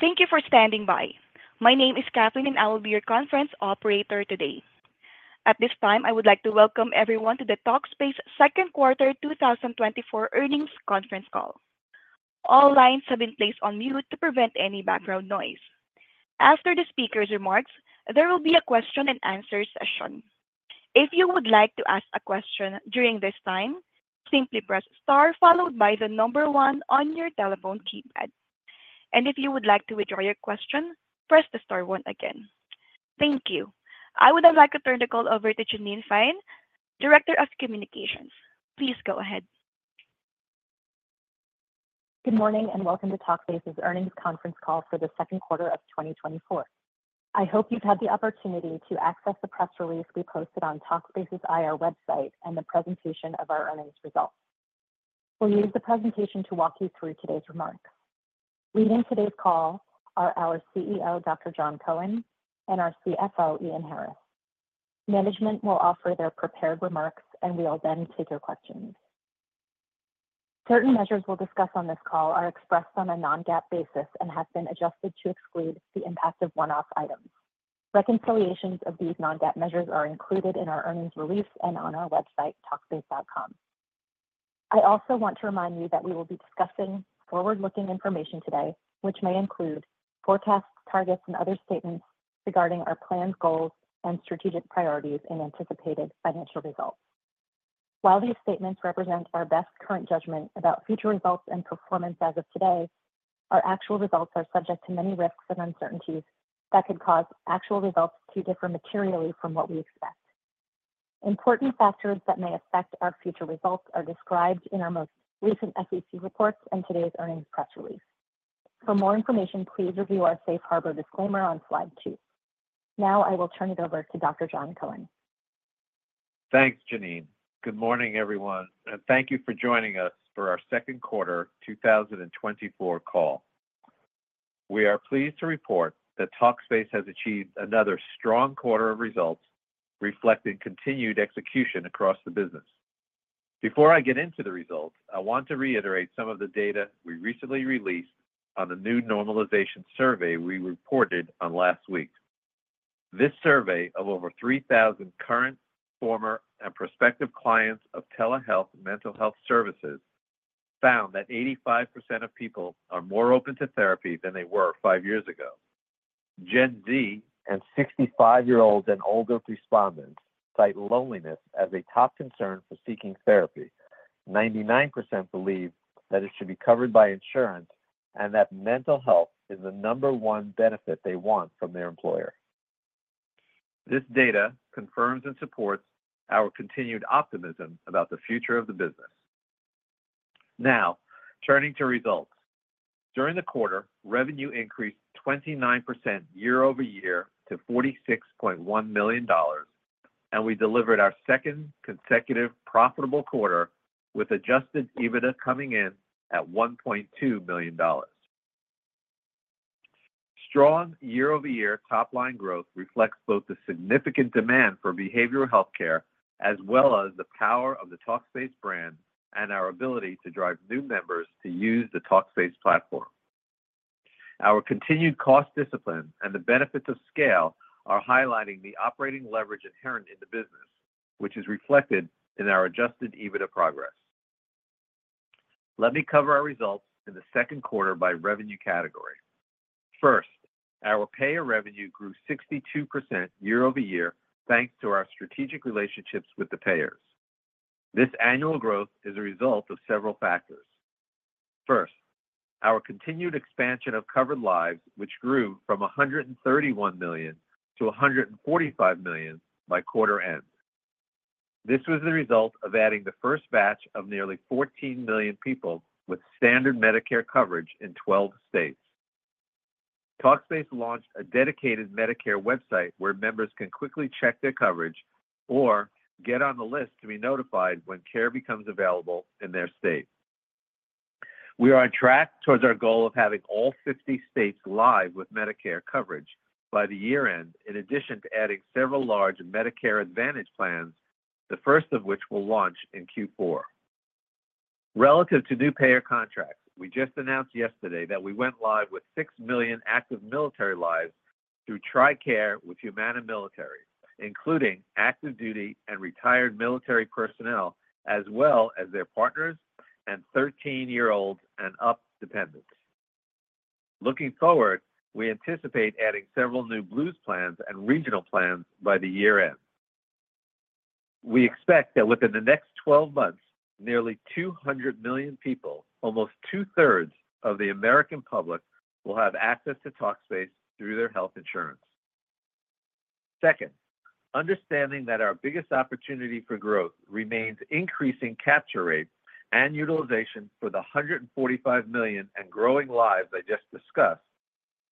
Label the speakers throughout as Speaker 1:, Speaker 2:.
Speaker 1: Thank you for standing by. My name is Kathleen, and I will be your conference operator today. At this time, I would like to welcome everyone to the Talkspace Second Quarter 2024 Earnings Conference Call. All lines have been placed on mute to prevent any background noise. After the speaker's remarks, there will be a question and answer session. If you would like to ask a question during this time, simply press star followed by the number one on your telephone keypad. And if you would like to withdraw your question, press the star one again. Thank you. I would now like to turn the call over to Janine Fiel, Director of Communications. Please go ahead.
Speaker 2: Good morning, and welcome to Talkspace's earnings conference call for the second quarter of 2024. I hope you've had the opportunity to access the press release we posted on Talkspace's IR website and the presentation of our earnings results. We'll use the presentation to walk you through today's remarks. Leading today's call are our CEO, Dr. Jon Cohen, and our CFO, Ian Harris. Management will offer their prepared remarks, and we will then take your questions. Certain measures we'll discuss on this call are expressed on a non-GAAP basis and have been adjusted to exclude the impact of one-off items. Reconciliations of these non-GAAP measures are included in our earnings release and on our website, talkspace.com. I also want to remind you that we will be discussing forward-looking information today, which may include forecasts, targets, and other statements regarding our planned goals and strategic priorities and anticipated financial results. While these statements represent our best current judgment about future results and performance as of today, our actual results are subject to many risks and uncertainties that could cause actual results to differ materially from what we expect. Important factors that may affect our future results are described in our most recent SEC reports and today's earnings press release. For more information, please review our safe harbor disclaimer on slide two. Now, I will turn it over to Dr. Jon Cohen.
Speaker 3: Thanks, Janine. Good morning, everyone, and thank you for joining us for our second quarter 2024 call. We are pleased to report that Talkspace has achieved another strong quarter of results, reflecting continued execution across the business. Before I get into the results, I want to reiterate some of the data we recently released on the new normalization survey we reported on last week. This survey of over 3,000 current, former, and prospective clients of telehealth mental health services found that 85% of people are more open to therapy than they were 5 years ago. Gen Z and 65-year-olds and older respondents cite loneliness as a top concern for seeking therapy. 99% believe that it should be covered by insurance and that mental health is the number one benefit they want from their employer. This data confirms and supports our continued optimism about the future of the business. Now, turning to results. During the quarter, revenue increased 29% year-over-year to $46.1 million, and we delivered our second consecutive profitable quarter, with Adjusted EBITDA coming in at $1.2 million. Strong year-over-year top-line growth reflects both the significant demand for behavioral healthcare, as well as the power of the Talkspace brand and our ability to drive new members to use the Talkspace platform. Our continued cost discipline and the benefits of scale are highlighting the operating leverage inherent in the business, which is reflected in our Adjusted EBITDA progress. Let me cover our results in the second quarter by revenue category. First, our payer revenue grew 62% year-over-year, thanks to our strategic relationships with the payers. This annual growth is a result of several factors. First, our continued expansion of covered lives, which grew from 131 million to 145 million by quarter end. This was the result of adding the first batch of nearly 14 million people with standard Medicare coverage in 12 states. Talkspace launched a dedicated Medicare website where members can quickly check their coverage or get on the list to be notified when care becomes available in their state. We are on track towards our goal of having all 50 states live with Medicare coverage by the year-end, in addition to adding several large Medicare Advantage plans, the first of which will launch in Q4. Relative to new payer contracts, we just announced yesterday that we went live with 6 million active military lives through TRICARE with Humana Military, including active duty and retired military personnel, as well as their partners and 13-year-olds and up dependents. Looking forward, we anticipate adding several new Blues plans and regional plans by the year-end. We expect that within the next 12 months, nearly 200 million people, almost 2/3 of the American public, will have access to Talkspace through their health insurance. Second, understanding that our biggest opportunity for growth remains increasing capture rate and utilization for the 145 million and growing lives I just discussed,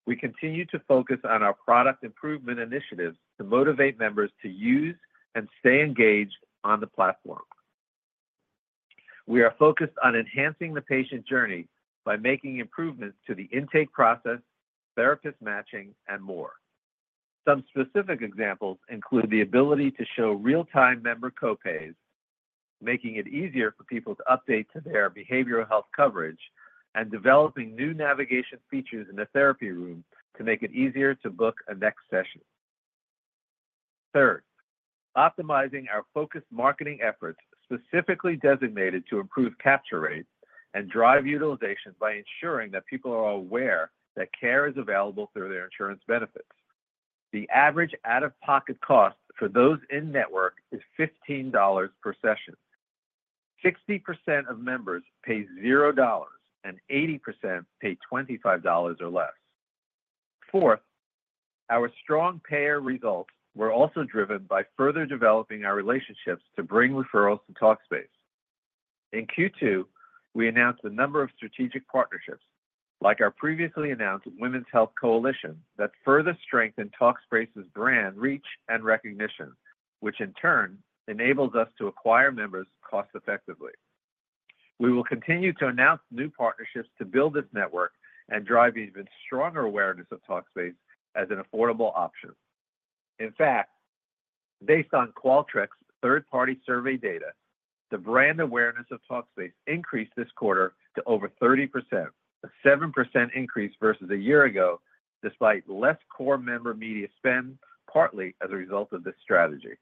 Speaker 3: we continue to focus on our product improvement initiatives to motivate members to use and stay engaged on the platform. We are focused on enhancing the patient journey by making improvements to the intake process, therapist matching, and more.... Some specific examples include the ability to show real-time member copays, making it easier for people to update to their behavioral health coverage, and developing new navigation features in the therapy room to make it easier to book a next session. Third, optimizing our focused marketing efforts, specifically designated to improve capture rates and drive utilization by ensuring that people are aware that care is available through their insurance benefits. The average out-of-pocket cost for those in-network is $15 per session. 60% of members pay $0, and 80% pay $25 or less. Fourth, our strong payer results were also driven by further developing our relationships to bring referrals to Talkspace. In Q2, we announced a number of strategic partnerships, like our previously announced Women's Health Coalition, that further strengthen Talkspace's brand, reach, and recognition, which in turn enables us to acquire members cost effectively. We will continue to announce new partnerships to build this network and drive even stronger awareness of Talkspace as an affordable option. In fact, based on Qualtrics' third-party survey data, the brand awareness of Talkspace increased this quarter to over 30%, a 7% increase versus a year ago, despite less core member media spend, partly as a result of this strategy.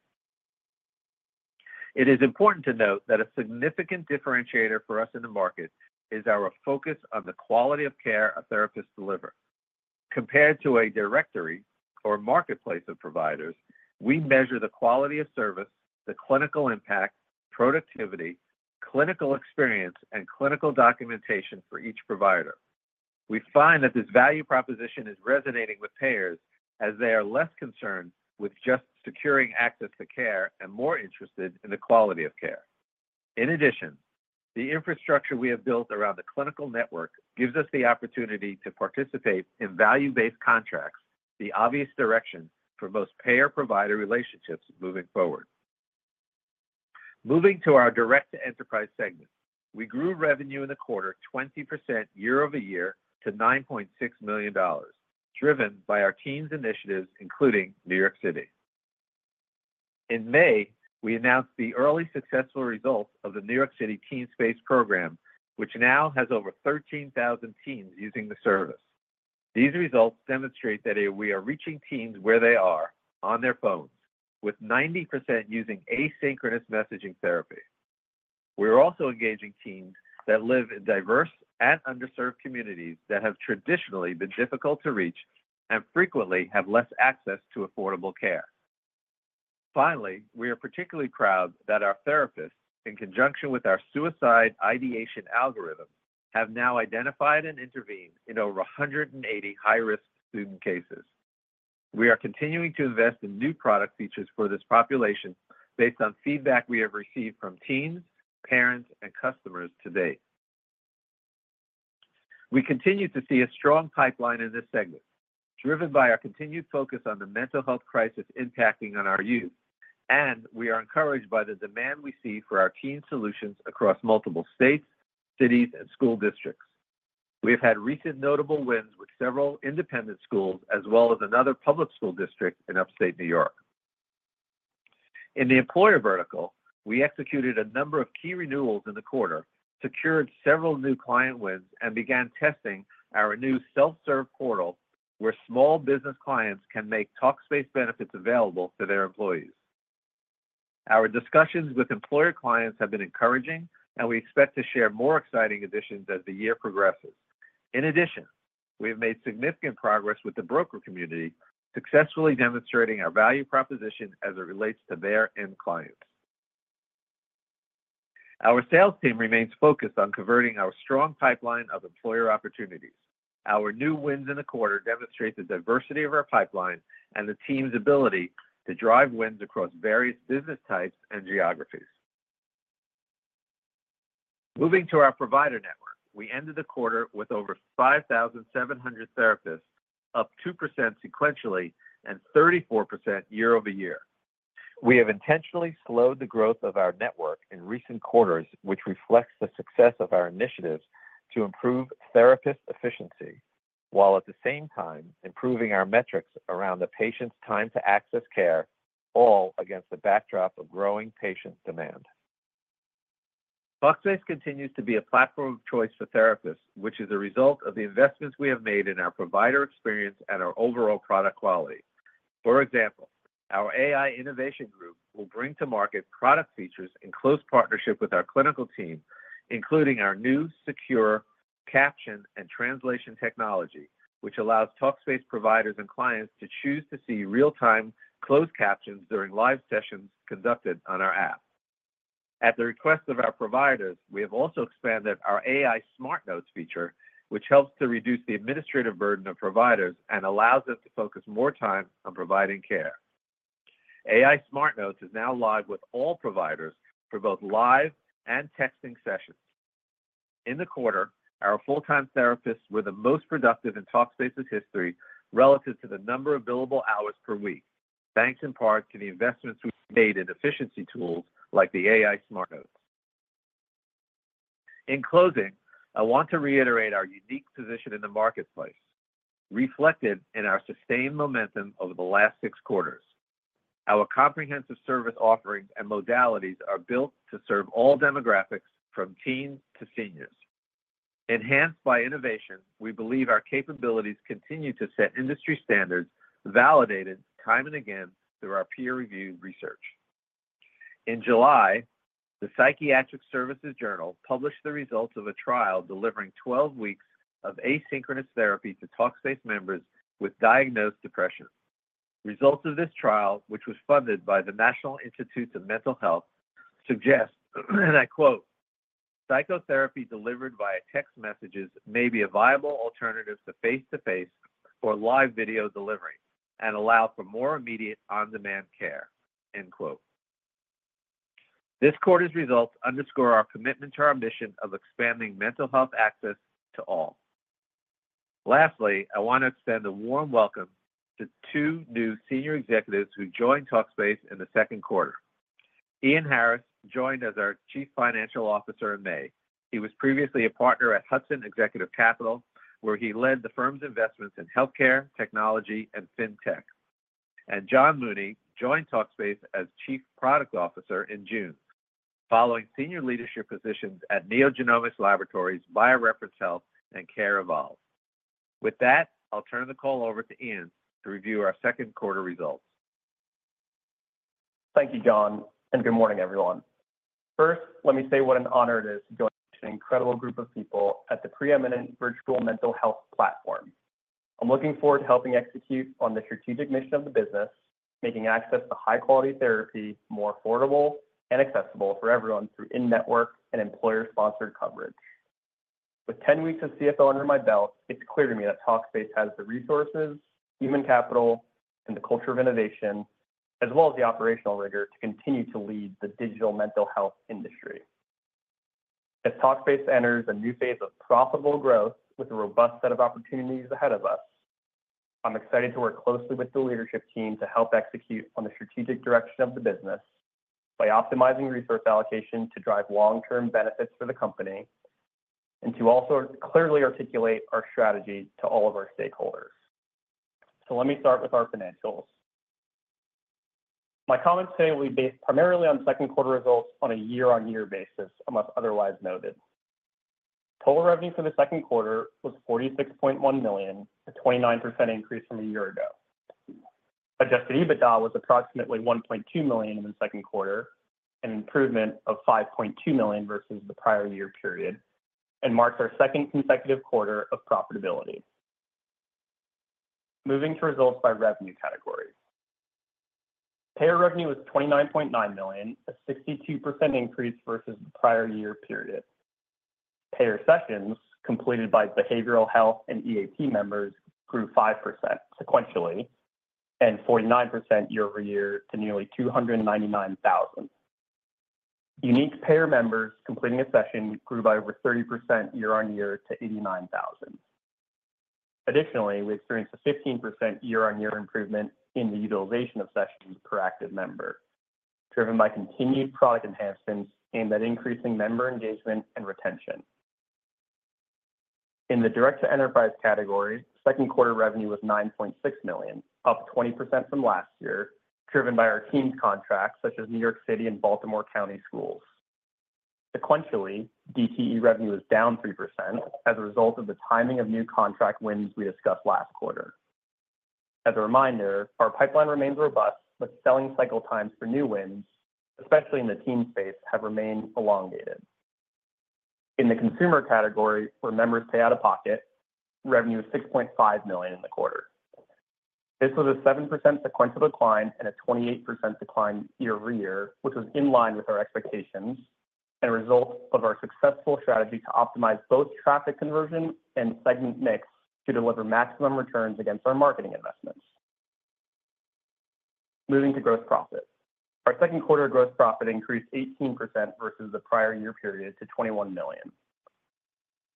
Speaker 3: It is important to note that a significant differentiator for us in the market is our focus on the quality of care a therapist delivers. Compared to a directory or marketplace of providers, we measure the quality of service, the clinical impact, productivity, clinical experience, and clinical documentation for each provider. We find that this value proposition is resonating with payers as they are less concerned with just securing access to care and more interested in the quality of care. In addition, the infrastructure we have built around the clinical network gives us the opportunity to participate in value-based contracts, the obvious direction for most payer-provider relationships moving forward. Moving to our direct enterprise segment, we grew revenue in the quarter 20% year over year to $9.6 million, driven by our team's initiatives, including New York City. In May, we announced the early successful results of the New York City TeenSpace program, which now has over 13,000 teens using the service. These results demonstrate that we are reaching teens where they are, on their phones, with 90% using asynchronous messaging therapy. We are also engaging teens that live in diverse and underserved communities that have traditionally been difficult to reach and frequently have less access to affordable care. Finally, we are particularly proud that our therapists, in conjunction with our suicide ideation algorithm, have now identified and intervened in over 180 high-risk student cases. We are continuing to invest in new product features for this population based on feedback we have received from teens, parents, and customers to date. We continue to see a strong pipeline in this segment, driven by our continued focus on the mental health crisis impacting on our youth, and we are encouraged by the demand we see for our teen solutions across multiple states, cities, and school districts. We have had recent notable wins with several independent schools, as well as another public school district in Upstate New York. In the employer vertical, we executed a number of key renewals in the quarter, secured several new client wins, and began testing our new self-serve portal, where small business clients can make Talkspace benefits available to their employees. Our discussions with employer clients have been encouraging, and we expect to share more exciting additions as the year progresses. In addition, we have made significant progress with the broker community, successfully demonstrating our value proposition as it relates to their end clients. Our sales team remains focused on converting our strong pipeline of employer opportunities. Our new wins in the quarter demonstrate the diversity of our pipeline and the team's ability to drive wins across various business types and geographies. Moving to our provider network, we ended the quarter with over 5,700 therapists, up 2% sequentially and 34% year-over-year. We have intentionally slowed the growth of our network in recent quarters, which reflects the success of our initiatives to improve therapist efficiency, while at the same time improving our metrics around the patient's time to access care, all against the backdrop of growing patient demand. Talkspace continues to be a platform of choice for therapists, which is a result of the investments we have made in our provider experience and our overall product quality. For example, our AI innovation group will bring to market product features in close partnership with our clinical team, including our new secure caption and translation technology, which allows Talkspace providers and clients to choose to see real-time closed captions during live sessions conducted on our app. At the request of our providers, we have also expanded our AI Smart Notes feature, which helps to reduce the administrative burden of providers and allows us to focus more time on providing care. AI Smart Notes is now live with all providers for both live and texting sessions. In the quarter, our full-time therapists were the most productive in Talkspace's history relative to the number of billable hours per week, thanks in part to the investments we've made in efficiency tools like the AI Smart Notes.... In closing, I want to reiterate our unique position in the marketplace, reflected in our sustained momentum over the last six quarters. Our comprehensive service offerings and modalities are built to serve all demographics, from teens to seniors. Enhanced by innovation, we believe our capabilities continue to set industry standards, validated time and again through our peer-reviewed research. In July, the Psychiatric Services Journal published the results of a trial delivering 12 weeks of asynchronous therapy to Talkspace members with diagnosed depression. Results of this trial, which was funded by the National Institute of Mental Health, suggest, and I quote, "Psychotherapy delivered via text messages may be a viable alternative to face-to-face or live video delivery and allow for more immediate on-demand care," end quote. This quarter's results underscore our commitment to our mission of expanding mental health access to all. Lastly, I want to extend a warm welcome to two new senior executives who joined Talkspace in the second quarter. Ian Harris joined as our Chief Financial Officer in May. He was previously a partner at Hudson Executive Capital, where he led the firm's investments in healthcare, technology, and fintech. Jon Mooney joined Talkspace as Chief Product Officer in June, following senior leadership positions at NeoGenomics Laboratories, BioReference Health, and CareEvolve. With that, I'll turn the call over to Ian to review our second quarter results.
Speaker 4: Thank you, Jon, and good morning, everyone. First, let me say what an honor it is to join such an incredible group of people at the preeminent virtual mental health platform. I'm looking forward to helping execute on the strategic mission of the business, making access to high-quality therapy more affordable and accessible for everyone through in-network and employer-sponsored coverage. With 10 weeks of CFO under my belt, it's clear to me that Talkspace has the resources, human capital, and the culture of innovation, as well as the operational rigor to continue to lead the digital mental health industry. As Talkspace enters a new phase of profitable growth with a robust set of opportunities ahead of us, I'm excited to work closely with the leadership team to help execute on the strategic direction of the business by optimizing resource allocation to drive long-term benefits for the company and to also clearly articulate our strategy to all of our stakeholders. Let me start with our financials. My comments today will be based primarily on second quarter results on a year-on-year basis, unless otherwise noted. Total revenue for the second quarter was $46.1 million, a 29% increase from a year ago. Adjusted EBITDA was approximately $1.2 million in the second quarter, an improvement of $5.2 million versus the prior year period, and marks our second consecutive quarter of profitability. Moving to results by revenue category. Payer revenue was $29.9 million, a 62% increase versus the prior year period. Payer sessions completed by behavioral health and EAP members grew 5% sequentially, and 49% year-over-year to nearly 299,000. Unique payer members completing a session grew by over 30% year-over-year to 89,000. Additionally, we experienced a 15% year-over-year improvement in the utilization of sessions per active member, driven by continued product enhancements aimed at increasing member engagement and retention. In the direct-to-enterprise category, second quarter revenue was $9.6 million, up 20% from last year, driven by our team's contracts, such as New York City and Baltimore County schools. Sequentially, DTE revenue is down 3% as a result of the timing of new contract wins we discussed last quarter. As a reminder, our pipeline remains robust, but selling cycle times for new wins, especially in the TeenSpace, have remained elongated. In the consumer category, where members pay out-of-pocket, revenue is $6.5 million in the quarter. This was a 7% sequential decline and a 28% decline year over year, which was in line with our expectations and a result of our successful strategy to optimize both traffic conversion and segment mix to deliver maximum returns against our marketing investments. Moving to gross profit. Our second quarter gross profit increased 18% versus the prior year period to $21 million.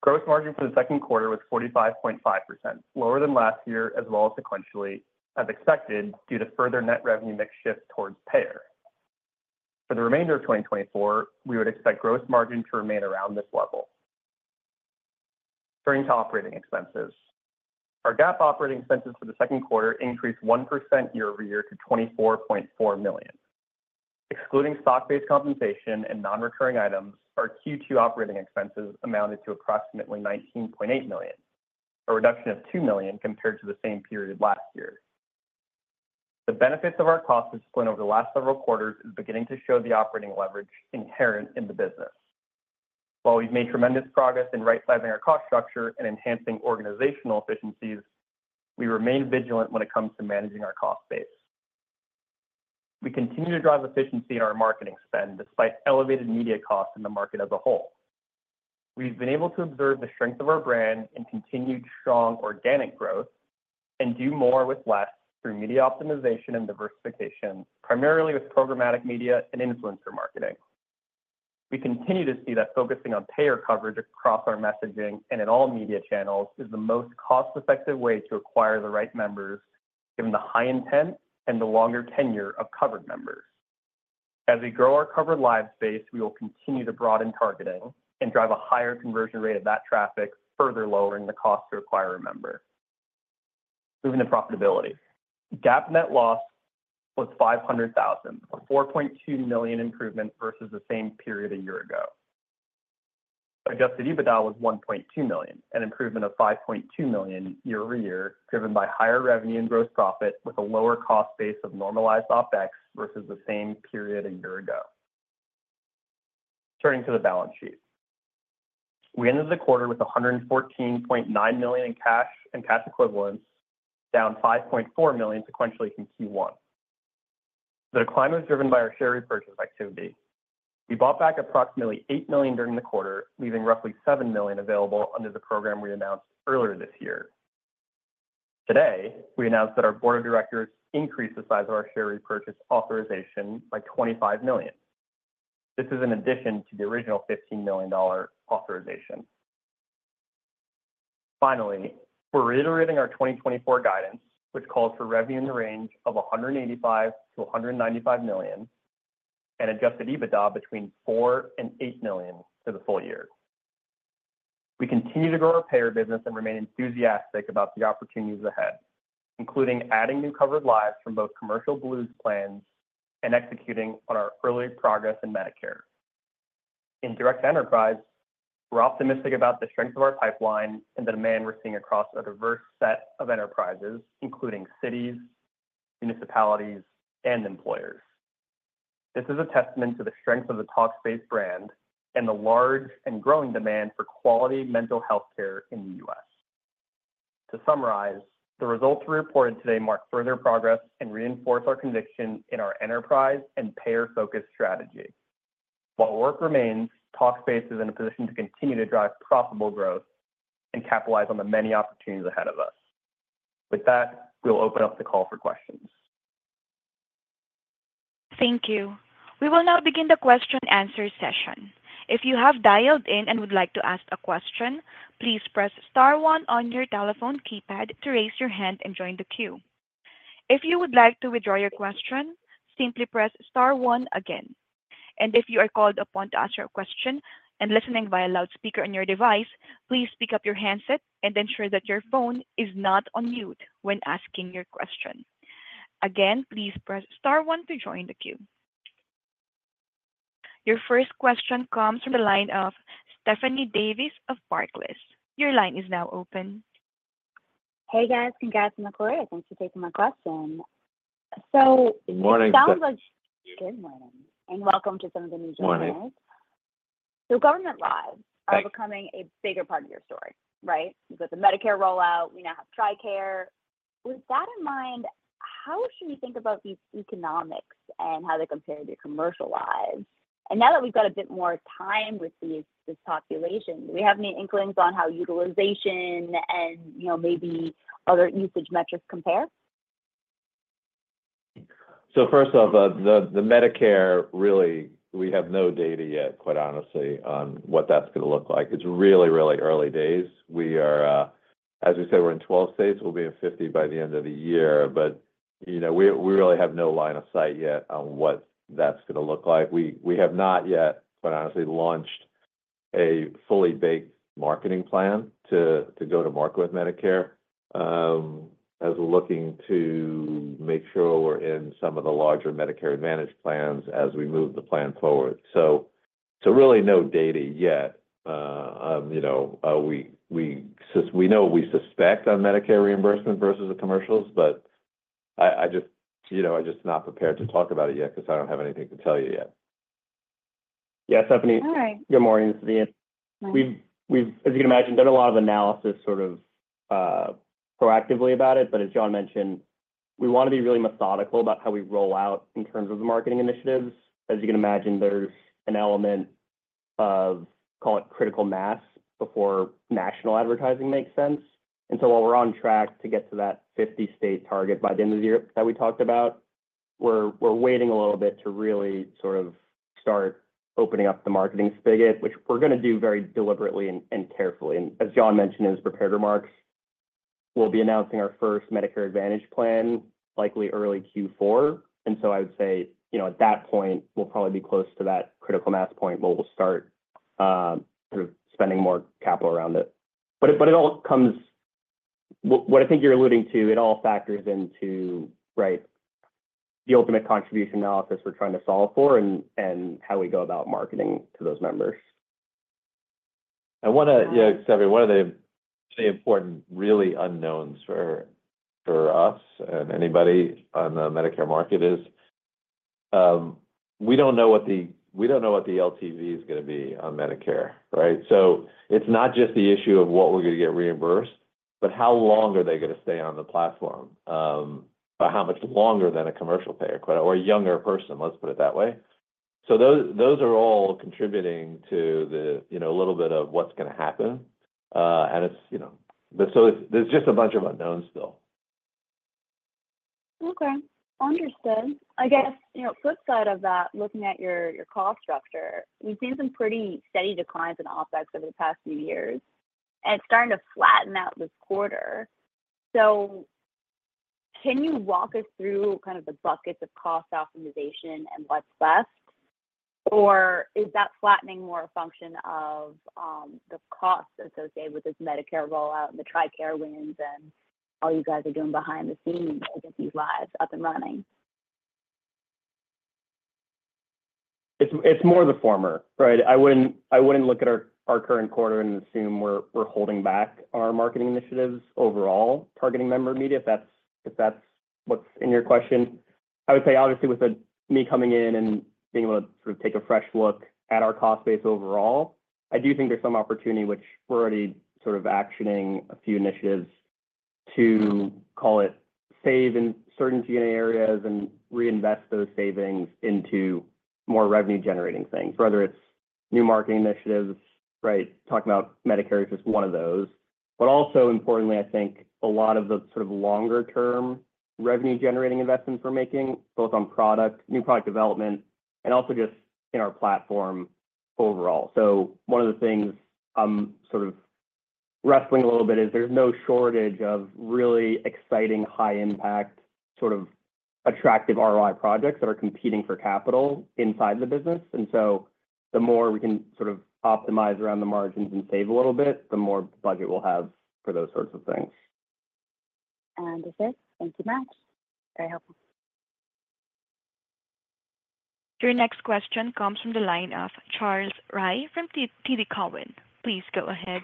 Speaker 4: Gross margin for the second quarter was 45.5%, lower than last year, as well as sequentially, as expected, due to further net revenue mix shift towards payer. For the remainder of 2024, we would expect gross margin to remain around this level. Turning to operating expenses. Our GAAP operating expenses for the second quarter increased 1% year-over-year to $24.4 million. Excluding stock-based compensation and non-recurring items, our Q2 operating expenses amounted to approximately $19.8 million, a reduction of $2 million compared to the same period last year. The benefits of our cost discipline over the last several quarters is beginning to show the operating leverage inherent in the business. While we've made tremendous progress in right-sizing our cost structure and enhancing organizational efficiencies, we remain vigilant when it comes to managing our cost base. We continue to drive efficiency in our marketing spend, despite elevated media costs in the market as a whole. We've been able to observe the strength of our brand and continued strong organic growth and do more with less through media optimization and diversification, primarily with programmatic media and influencer marketing. We continue to see that focusing on payer coverage across our messaging and in all media channels is the most cost-effective way to acquire the right members, given the high intent and the longer tenure of covered members. As we grow our covered lives, we will continue to broaden targeting and drive a higher conversion rate of that traffic, further lowering the cost to acquire a member. Moving to profitability. GAAP net loss was $500,000, a $4.2 million improvement versus the same period a year ago. Adjusted EBITDA was $1.2 million, an improvement of $5.2 million year-over-year, driven by higher revenue and gross profit, with a lower cost base of normalized OpEx versus the same period a year ago. Turning to the balance sheet. We ended the quarter with $114.9 million in cash and cash equivalents, down $5.4 million sequentially from Q1. The decline was driven by our share repurchase activity. We bought back approximately $8 million during the quarter, leaving roughly $7 million available under the program we announced earlier this year. Today, we announced that our board of directors increased the size of our share repurchase authorization by $25 million. This is in addition to the original $15 million authorization. Finally, we're reiterating our 2024 guidance, which calls for revenue in the range of $185 million-$195 million and Adjusted EBITDA between $4 million and $8 million for the full year. We continue to grow our payer business and remain enthusiastic about the opportunities ahead, including adding new covered lives from both commercial Blues plans and executing on our early progress in Medicare. In direct enterprise, we're optimistic about the strength of our pipeline and the demand we're seeing across a diverse set of enterprises, including cities, municipalities, and employers. This is a testament to the strength of the Talkspace brand and the large and growing demand for quality mental health care in the U.S. To summarize, the results we reported today mark further progress and reinforce our conviction in our enterprise and payer-focused strategy. While work remains, Talkspace is in a position to continue to drive profitable growth and capitalize on the many opportunities ahead of us. With that, we'll open up the call for questions.
Speaker 1: Thank you. We will now begin the question and answer session. If you have dialed in and would like to ask a question, please press star one on your telephone keypad to raise your hand and join the queue. If you would like to withdraw your question, simply press star one again. If you are called upon to ask your question and listening via loudspeaker on your device, please pick up your handset and ensure that your phone is not on mute when asking your question. Again, please press star one to join the queue. Your first question comes from the line of Stephanie Davis of Barclays. Your line is now open.
Speaker 5: Hey, guys. Congrats on the quarter. Thanks for taking my question. So-
Speaker 3: Morning-
Speaker 5: It sounds like... Good morning, and welcome to some of the new journalists.
Speaker 3: Morning.
Speaker 5: So government lives-
Speaker 3: Thanks...
Speaker 5: are becoming a bigger part of your story, right? You've got the Medicare rollout. We now have TRICARE. With that in mind, how should we think about these economics and how they compare to commercial lives? And now that we've got a bit more time with these, this population, do we have any inklings on how utilization and, you know, maybe other usage metrics compare?
Speaker 3: So first off, the Medicare, really, we have no data yet, quite honestly, on what that's going to look like. It's really, really early days. We are. As we said, we're in 12 states. We'll be in 50 by the end of the year, but, you know, we really have no line of sight yet on what that's going to look like. We have not yet, quite honestly, launched a fully baked marketing plan to go to market with Medicare, as we're looking to make sure we're in some of the larger Medicare Advantage plans as we move the plan forward. So really no data yet. You know, we know we suspect on Medicare reimbursement versus the commercials, but I just, you know, I'm just not prepared to talk about it yet 'cause I don't have anything to tell you yet.
Speaker 4: Yeah, Stephanie.
Speaker 5: All right.
Speaker 4: Good morning. This is Ian.
Speaker 5: Morning.
Speaker 4: We've, as you can imagine, done a lot of analysis sort of proactively about it. But as Jon mentioned, we want to be really methodical about how we roll out in terms of the marketing initiatives. As you can imagine, there's an element of, call it, critical mass before national advertising makes sense. And so while we're on track to get to that 50-state target by the end of the year that we talked about, we're waiting a little bit to really sort of start opening up the marketing spigot, which we're going to do very deliberately and carefully. And as Jon mentioned in his prepared remarks, we'll be announcing our first Medicare Advantage plan, likely early Q4. And so I would say, you know, at that point, we'll probably be close to that critical mass point where we'll start sort of spending more capital around it. But it all comes—what I think you're alluding to, it all factors into, right, the ultimate contribution analysis we're trying to solve for and how we go about marketing to those members.
Speaker 3: Yeah, Stephanie, one of the important really unknowns for us and anybody on the Medicare market is we don't know what the LTV is gonna be on Medicare, right? So it's not just the issue of what we're gonna get reimbursed, but how long are they gonna stay on the platform? But how much longer than a commercial payer or a younger person, let's put it that way. So those are all contributing to, you know, a little bit of what's gonna happen. And it's, you know. But so there's just a bunch of unknowns still.
Speaker 5: Okay. Understood. I guess, you know, flip side of that, looking at your, your cost structure, we've seen some pretty steady declines in OpEx over the past few years, and it's starting to flatten out this quarter. So can you walk us through kind of the buckets of cost optimization and what's left? Or is that flattening more a function of the costs associated with this Medicare rollout and the TRICARE wins and all you guys are doing behind the scenes to get these lives up and running?
Speaker 4: It's, it's more the former, right? I wouldn't, I wouldn't look at our, our current quarter and assume we're, we're holding back our marketing initiatives overall, targeting member media, if that's, if that's what's in your question. I would say, obviously, with me coming in and being able to sort of take a fresh look at our cost base overall, I do think there's some opportunity, which we're already sort of actioning a few initiatives to call it, save in certain G&A areas and reinvest those savings into more revenue-generating things, whether it's new marketing initiatives, right? Talking about Medicare is just one of those. But also importantly, I think a lot of the sort of longer term revenue generating investments we're making, both on product, new product development, and also just in our platform overall. So one of the things I'm sort of wrestling a little bit is there's no shortage of really exciting, high impact, sort of attractive ROI projects that are competing for capital inside the business. And so the more we can sort of optimize around the margins and save a little bit, the more budget we'll have for those sorts of things.
Speaker 5: That's it. Thank you, Matt. Very helpful.
Speaker 1: Your next question comes from the line of Charles Rhyee from TD Cowen. Please go ahead.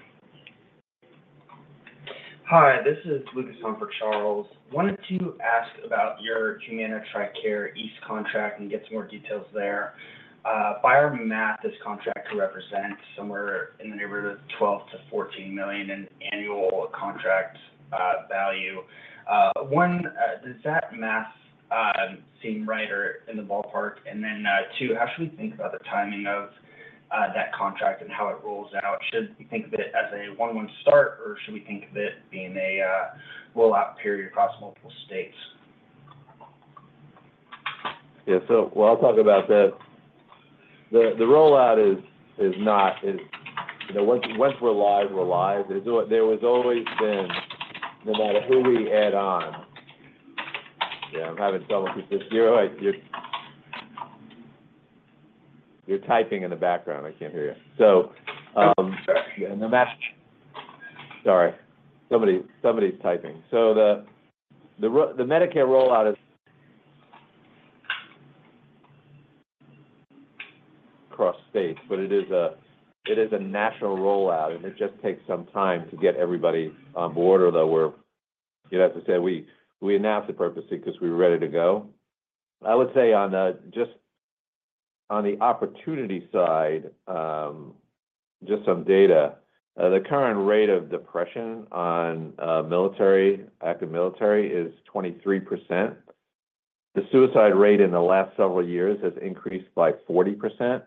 Speaker 6: Hi, this is Lucas in for Charles. Wanted to ask about your Humana TRICARE East contract and get some more details there. By our math, this contract could represent somewhere in the neighborhood of $12 million-$14 million in annual contract value. One, does that math seem right or in the ballpark? And then, two, how should we think about the timing of that contract and how it rolls out? Should we think of it as a 1-1 start, or should we think of it being a roll-out period across multiple states?
Speaker 3: Yeah. So well, I'll talk about that. The rollout is not, you know, once we're live, we're live. There's always been, no matter who we add on... Yeah, I'm having trouble with this here, right? You're typing in the background. I can't hear you. So-
Speaker 6: Sorry.
Speaker 3: So the Medicare rollout is across states, but it is a national rollout, and it just takes some time to get everybody on board, although we're, you know, as I said, we announced it purposely because we were ready to go. I would say on just on the opportunity side, just some data, the current rate of depression on military, active military, is 23%. The suicide rate in the last several years has increased by 40%.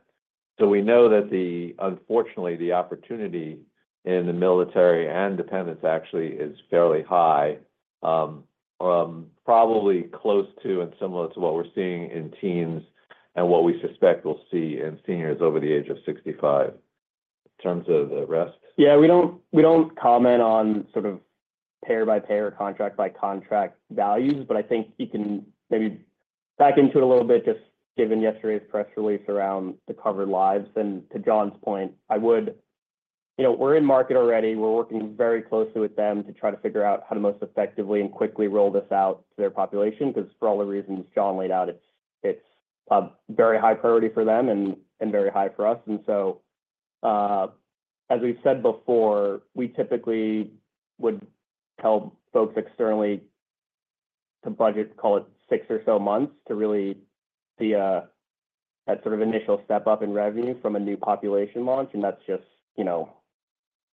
Speaker 3: So we know that unfortunately, the opportunity in the military and dependents actually is fairly high, probably close to and similar to what we're seeing in teens and what we suspect we'll see in seniors over the age of 65. In terms of the rest?
Speaker 4: Yeah, we don't, we don't comment on sort of payer by payer, contract by contract values, but I think you can maybe back into it a little bit, just given yesterday's press release around the covered lives. And to Jon's point, I would, you know, we're in market already. We're working very closely with them to try to figure out how to most effectively and quickly roll this out to their population, because for all the reasons Jon laid out, it's, it's a very high priority for them and, and very high for us. And so, as we've said before, we typically would tell folks externally to budget, call it six or so months, to really see that sort of initial step up in revenue from a new population launch. And that's just, you know,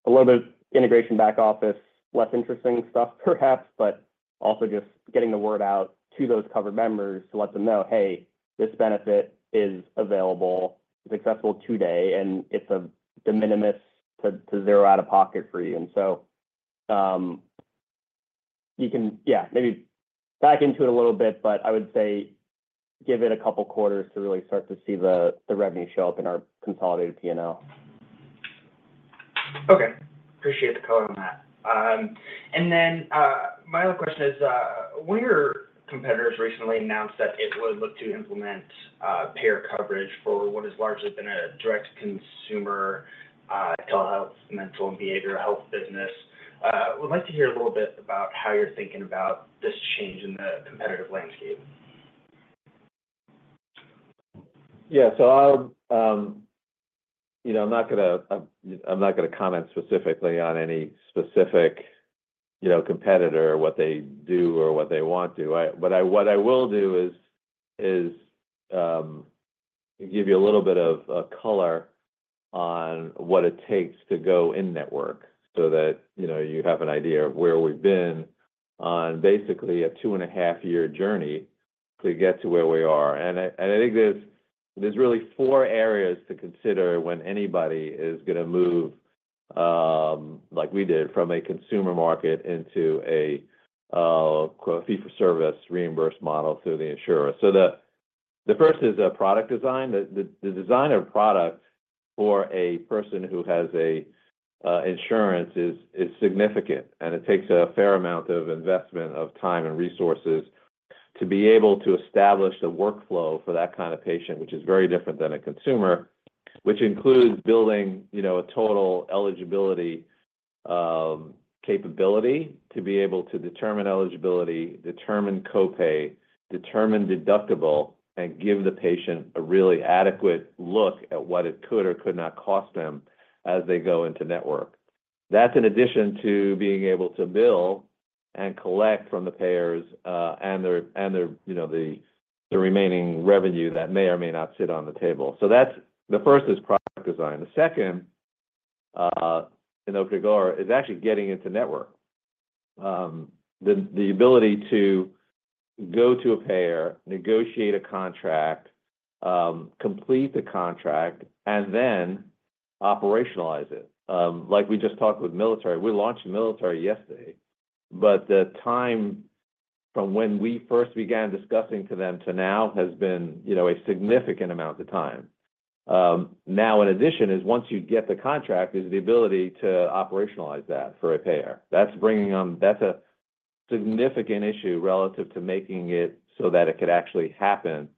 Speaker 4: a little bit integration back office, less interesting stuff, perhaps, but also just getting the word out to those covered members to let them know, "Hey, this benefit is available, it's accessible today, and it's a de minimis to zero out of pocket for you." And so, you can, yeah, maybe back into it a little bit, but I would say give it a couple of quarters to really start to see the revenue show up in our consolidated P&L.
Speaker 6: Okay. Appreciate the color on that. And then, my other question is, one of your competitors recently announced that it would look to implement, payer coverage for what has largely been a direct consumer, telehealth, mental and behavioral health business. Would like to hear a little bit about how you're thinking about this change in the competitive landscape.
Speaker 3: Yeah. So I'll, you know, I'm not gonna comment specifically on any specific, you know, competitor, what they do or what they want to. But what I will do is give you a little bit of color on what it takes to go in-network so that, you know, you have an idea of where we've been on basically a 2.5-year journey to get to where we are. And I think there's really four areas to consider when anybody is gonna move, like we did, from a consumer market into a fee-for-service reimbursed model through the insurer. So the first is a product design. The design of products for a person who has insurance is significant, and it takes a fair amount of investment of time and resources to be able to establish the workflow for that kind of patient, which is very different than a consumer, which includes building, you know, a total eligibility capability to be able to determine eligibility, determine co-pay, determine deductible, and give the patient a really adequate look at what it could or could not cost them as they go into network. That's in addition to being able to bill and collect from the payers and their you know the remaining revenue that may or may not sit on the table. So that's the first is product design. The second, you know, category, is actually getting into network. The ability to go to a payer, negotiate a contract, complete the contract, and then operationalize it. Like we just talked with military, we launched military yesterday, but the time from when we first began discussing to them to now has been, you know, a significant amount of time. Now, in addition, is once you get the contract, is the ability to operationalize that for a payer. That's bringing them. That's a significant issue relative to making it so that it could actually happen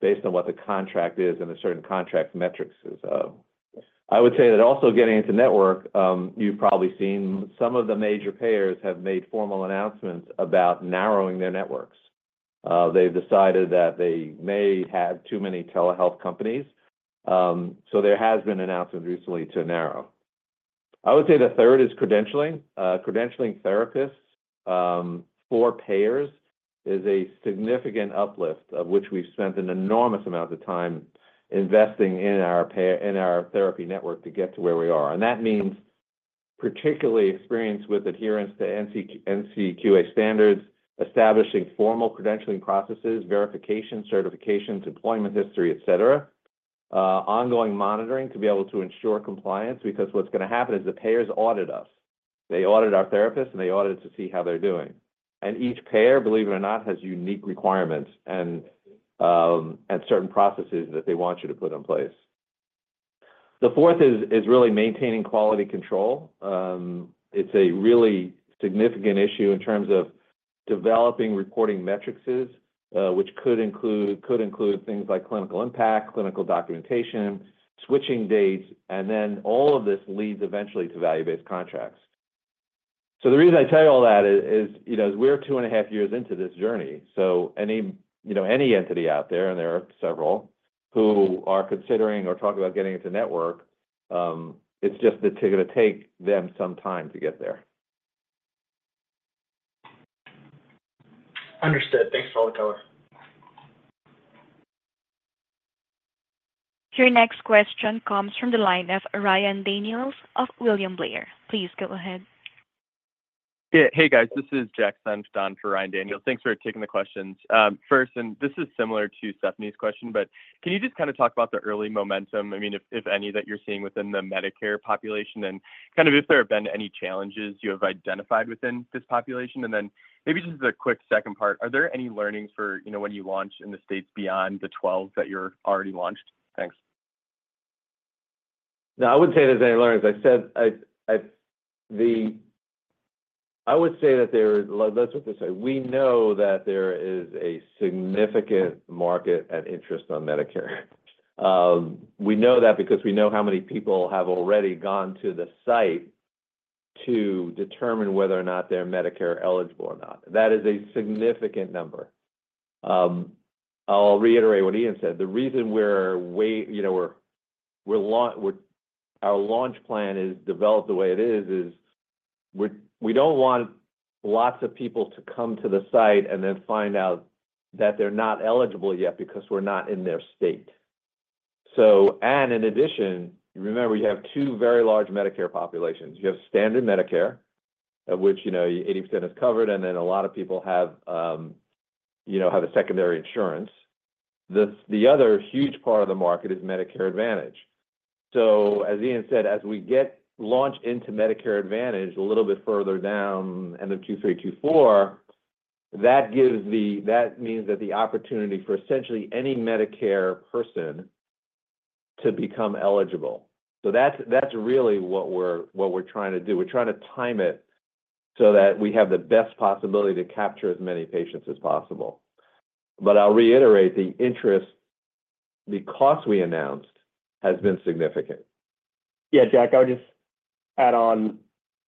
Speaker 3: based on what the contract is and the certain contract metrics is. I would say that also getting into network, you've probably seen some of the major payers have made formal announcements about narrowing their networks. They've decided that they may have too many telehealth companies, so there has been announcements recently to narrow. I would say the third is credentialing. Credentialing therapists for payers is a significant uplift, of which we've spent an enormous amount of time investing in our therapy network to get to where we are. And that means particularly experience with adherence to NCQA standards, establishing formal credentialing processes, verification, certifications, employment history, et cetera. Ongoing monitoring to be able to ensure compliance, because what's gonna happen is the payers audit us. They audit our therapists, and they audit to see how they're doing. And each payer, believe it or not, has unique requirements and certain processes that they want you to put in place. The fourth is really maintaining quality control. It's a really significant issue in terms of developing reporting metrics, which could include things like clinical impact, clinical documentation, switching dates, and then all of this leads eventually to value-based contracts. So the reason I tell you all that is, you know, we're 2.5 years into this journey. So any, you know, any entity out there, and there are several, who are considering or talking about getting into network, it's just that it's gonna take them some time to get there.
Speaker 6: Understood. Thanks for all the color.
Speaker 1: Your next question comes from the line of Ryan Daniels of William Blair. Please go ahead.
Speaker 7: Yeah. Hey, guys. This is Jack Senft for Ryan Daniels. Thanks for taking the questions. First, and this is similar to Stephanie's question, but can you just kind of talk about the early momentum, I mean, if any, that you're seeing within the Medicare population, and kind of if there have been any challenges you have identified within this population? And then maybe just as a quick second part, are there any learnings for, you know, when you launch in the states beyond the 12 that you're already launched? Thanks.
Speaker 3: No, I wouldn't say there's any learnings. I said I would say that there... Let's just say, we know that there is a significant market and interest on Medicare. We know that because we know how many people have already gone to the site to determine whether or not they're Medicare eligible or not. That is a significant number. I'll reiterate what Ian said. The reason we're waiting, you know, we're launching our launch plan is developed the way it is is we don't want lots of people to come to the site and then find out that they're not eligible yet because we're not in their state. So, and in addition, remember, you have two very large Medicare populations. You have standard Medicare, of which, you know, 80% is covered, and then a lot of people have, you know, have a secondary insurance. The other huge part of the market is Medicare Advantage. So as Ian said, as we get launched into Medicare Advantage, a little bit further down, end of 2023, 2024, that means that the opportunity for essentially any Medicare person to become eligible. So that's really what we're trying to do. We're trying to time it so that we have the best possibility to capture as many patients as possible. But I'll reiterate, the interest, the cost we announced has been significant.
Speaker 4: Yeah, Jack, I would just add on.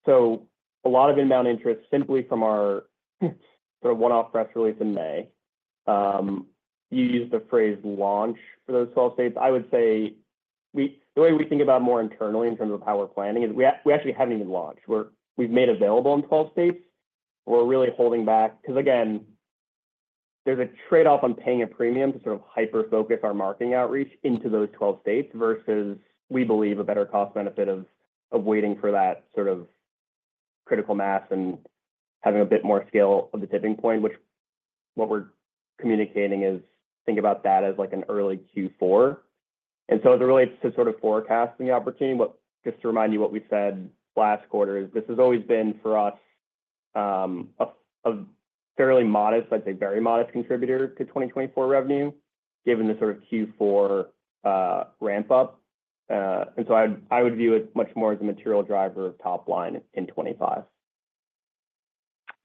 Speaker 4: So a lot of inbound interest simply from our, sort of, one-off press release in May. You used the phrase launch for those 12 states. I would say we, the way we think about more internally in terms of how we're planning is we actually haven't even launched. We've made available in 12 states. We're really holding back, because again, there's a trade-off on paying a premium to sort of hyper-focus our marketing outreach into those 12 states versus, we believe, a better cost benefit of waiting for that sort of critical mass and having a bit more scale of the tipping point, which what we're communicating is think about that as, like, an early Q4. And so as it relates to sort of forecasting the opportunity, but just to remind you what we said last quarter, is this has always been, for us, a fairly modest, I'd say very modest contributor to 2024 revenue, given the sort of Q4 ramp up. And so I would view it much more as a material driver of top line in 2025.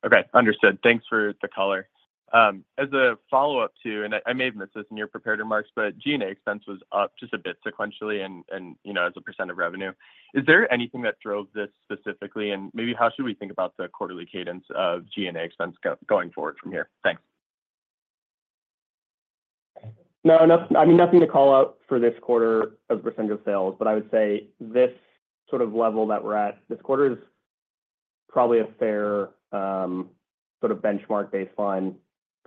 Speaker 7: Okay, understood. Thanks for the color. As a follow-up to, and I may have missed this in your prepared remarks, but G&A expense was up just a bit sequentially and, you know, as a percent of revenue. Is there anything that drove this specifically? And maybe how should we think about the quarterly cadence of G&A expense going forward from here? Thanks.
Speaker 4: No, nothing—I mean, nothing to call out for this quarter as a % of sales, but I would say this sort of level that we're at this quarter is probably a fair, sort of benchmark baseline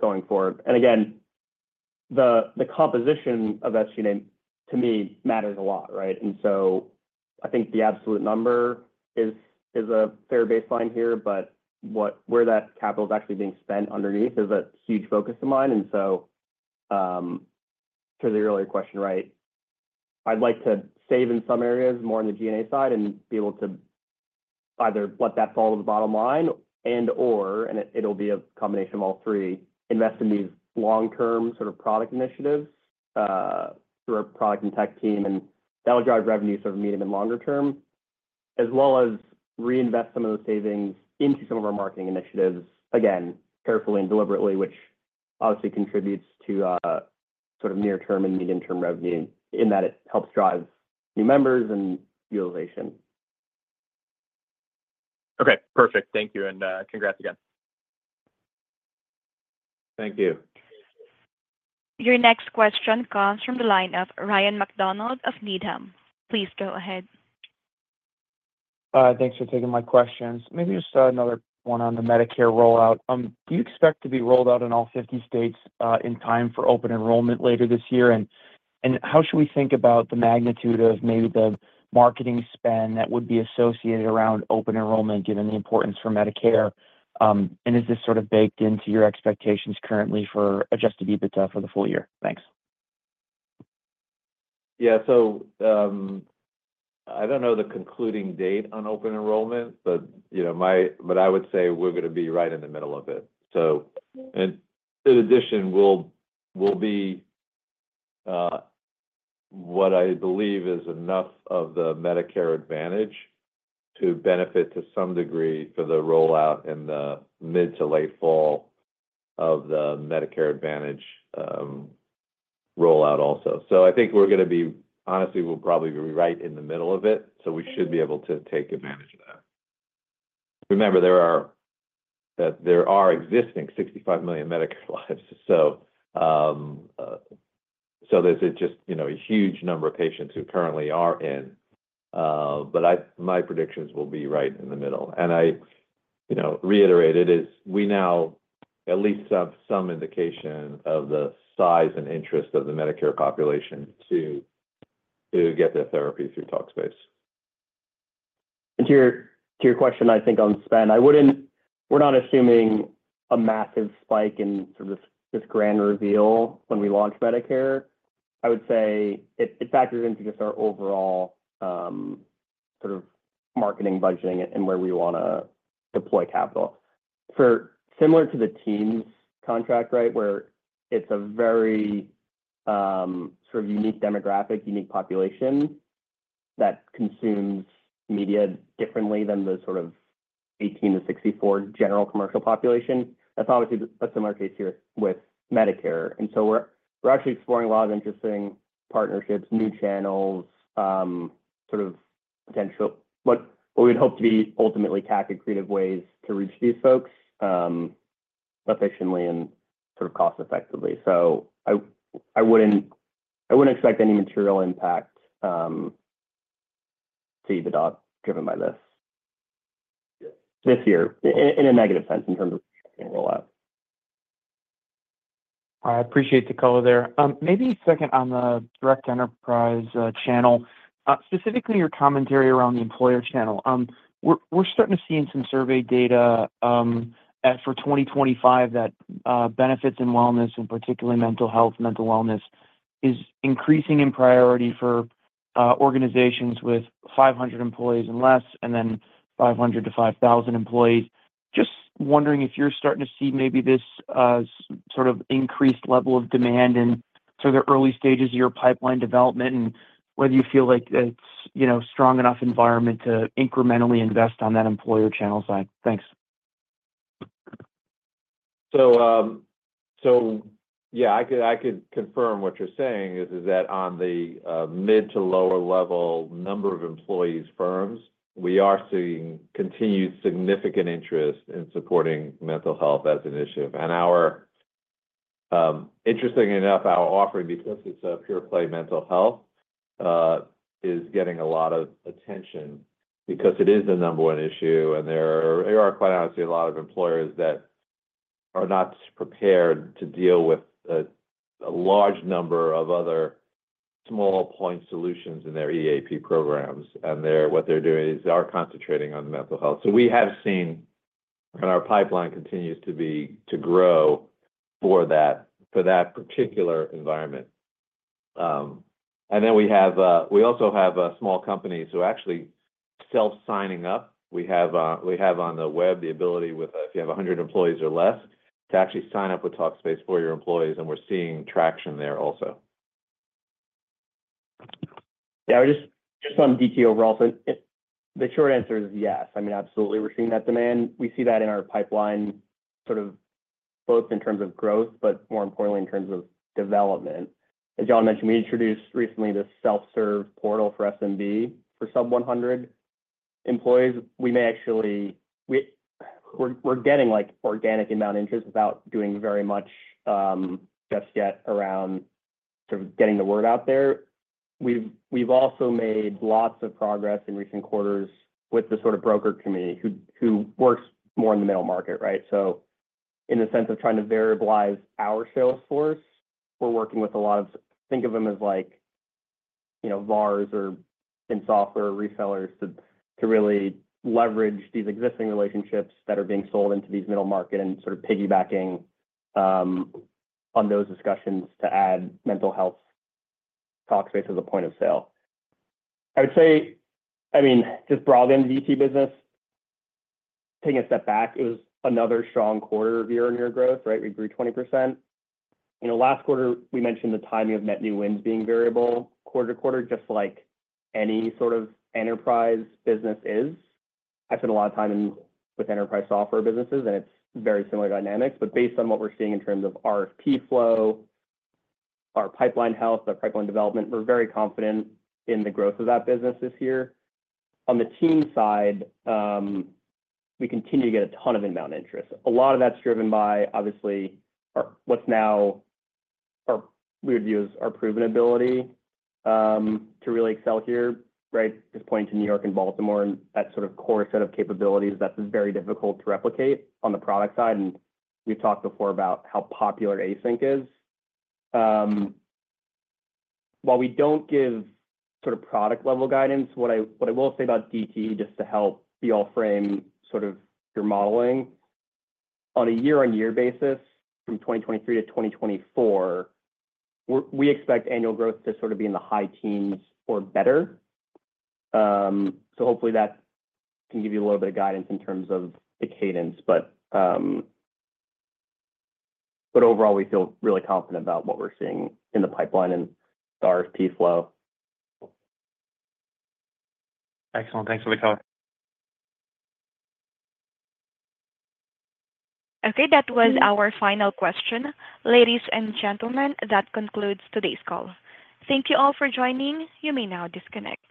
Speaker 4: going forward. And again, the composition of that G&A, to me, matters a lot, right? And so I think the absolute number is a fair baseline here, but what—where that capital is actually being spent underneath is a huge focus of mine. And so, to the earlier question, right, I'd like to save in some areas more on the G&A side and be able to either let that fall to the bottom line and/or, and it, it'll be a combination of all three, invest in these long-term sort of product initiatives, through our product and tech team. That'll drive revenue sort of medium and longer term, as well as reinvest some of those savings into some of our marketing initiatives. Again, carefully and deliberately, which obviously contributes to, sort of near term and medium-term revenue, in that it helps drive new members and utilization.
Speaker 7: Okay, perfect. Thank you, and congrats again.
Speaker 3: Thank you.
Speaker 1: Your next question comes from the line of Ryan MacDonald of Needham & Company. Please go ahead.
Speaker 8: Thanks for taking my questions. Maybe just another one on the Medicare rollout. Do you expect to be rolled out in all 50 states in time for open enrollment later this year? And how should we think about the magnitude of maybe the marketing spend that would be associated around open enrollment, given the importance for Medicare? And is this sort of baked into your expectations currently for Adjusted EBITDA for the full year? Thanks.
Speaker 3: Yeah. So, I don't know the concluding date on open enrollment, but, you know, my-- but I would say we're going to be right in the middle of it. So... And in addition, we'll, we'll be, what I believe is enough of the Medicare Advantage to benefit to some degree for the rollout in the mid to late fall of the Medicare Advantage, rollout also. So I think we're going to be-- honestly, we'll probably be right in the middle of it, so we should be able to take advantage of that. Remember, there are-- that there are existing 65 million Medicare lives. So, so this is just, you know, a huge number of patients who currently are in... But I-- my predictions, we'll be right in the middle. I, you know, reiterate it is we now at least have some indication of the size and interest of the Medicare population to get their therapy through Talkspace.
Speaker 4: To your question, I think on spend, I wouldn't-- we're not assuming a massive spike in sort of this grand reveal when we launch Medicare. I would say it factors into just our overall sort of marketing budgeting and where we want to deploy capital. Similar to the TRICARE contract, right, where it's a very sort of unique demographic, unique population that consumes media differently than the sort of 18-64 general commercial population. That's obviously a similar case here with Medicare, and so we're actually exploring a lot of interesting partnerships, new channels, sort of potential- what we'd hope to be ultimately tactical creative ways to reach these folks, efficiently and sort of cost effectively. I wouldn't expect any material impact to EBITDA, given by this year, in a negative sense, in terms of rollout.
Speaker 8: I appreciate the color there. Maybe second on the direct enterprise channel, specifically your commentary around the employer channel. We're starting to see in some survey data, as for 2025, that benefits and wellness, and particularly mental health, mental wellness, is increasing in priority for organizations with 500 employees and less, and then 500 employees to 5,000 employees. Just wondering if you're starting to see maybe this sort of increased level of demand in sort of the early stages of your pipeline development, and whether you feel like it's, you know, strong enough environment to incrementally invest on that employer channel side. Thanks.
Speaker 3: I could confirm what you're saying is that on the mid to lower level number of employees firms, we are seeing continued significant interest in supporting mental health as an initiative. And our-- interestingly enough, our offering, because it's a pure play mental health, is getting a lot of attention because it is the number one issue, and there are, quite honestly, a lot of employers that are not prepared to deal with a large number of other small point solutions in their EAP programs. What they're doing is they are concentrating on mental health. So we have seen, and our pipeline continues to be to grow for that particular environment. And then we also have small companies who are actually self-signing up. We have on the web the ability with, if you have 100 employees or less, to actually sign up with Talkspace for your employees, and we're seeing traction there also.
Speaker 4: Yeah, just on DT overall, so the short answer is yes. I mean, absolutely, we're seeing that demand. We see that in our pipeline, sort of both in terms of growth, but more importantly, in terms of development. As Jon mentioned, we introduced recently this self-serve portal for SMB. For sub-100 employees, we may actually. We're getting, like, organic inbound interest without doing very much just yet around sort of getting the word out there. We've also made lots of progress in recent quarters with the sort of broker community who works more in the middle market, right? So in the sense of trying to variablize our sales force, we're working with a lot of... Think of them as like, you know, VARs or in software resellers, to, to really leverage these existing relationships that are being sold into these middle market and sort of piggybacking on those discussions to add mental health Talkspace as a point of sale. I would say, I mean, just broadly in the DT business, taking a step back, it was another strong quarter of year-on-year growth, right? We grew 20%. You know, last quarter, we mentioned the timing of net new wins being variable quarter to quarter, just like any sort of enterprise business is. I spent a lot of time in, with enterprise software businesses, and it's very similar dynamics, but based on what we're seeing in terms of RFP flow, our pipeline health, our pipeline development, we're very confident in the growth of that business this year. On the team side, we continue to get a ton of inbound interest. A lot of that's driven by, obviously, our, what's now our, we would view as our proven ability, to really excel here, right? Just pointing to New York and Baltimore, and that sort of core set of capabilities that is very difficult to replicate on the product side, and we've talked before about how popular Async is. While we don't give sort of practice-level guidance, what I will say about DT, just to help you all frame sort of your modeling, on a year-on-year basis from 2023 to 2024, we're, we expect annual growth to sort of be in the high teens or better. So hopefully that can give you a little bit of guidance in terms of the cadence, but overall, we feel really confident about what we're seeing in the pipeline and the RFP flow.
Speaker 3: Excellent. Thanks for the color.
Speaker 1: Okay. That was our final question. Ladies and gentlemen, that concludes today's call. Thank you all for joining. You may now disconnect.